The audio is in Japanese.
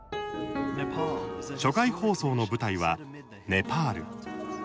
初回放送の舞台は、ネパール。